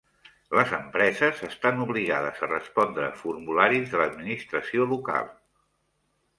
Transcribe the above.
Les empreses estan obligades a respondre formularis de l'administració local.